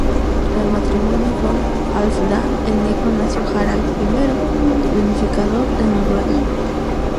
Del matrimonio con Halfdan el Negro nació Harald I, el unificador de Noruega.